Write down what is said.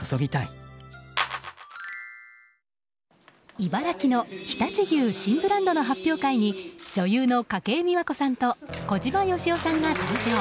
茨城の常陸牛新ブランドの発表会に女優の筧美和子さんと小島よしおさんが登場。